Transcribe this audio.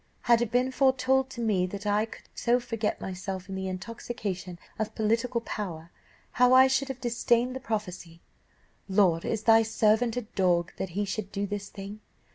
"Had it been foretold to me that I could so forget myself in the intoxication of political power, how I should have disdained the prophecy 'Lord, is thy servant a dog, that he should do this thing?